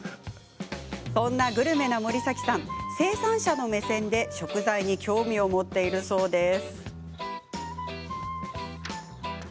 そんなグルメな森崎さん生産者の目線で食材に興味を持っているそうです。